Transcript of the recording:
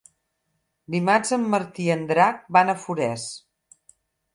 Dimarts en Martí i en Drac van a Forès.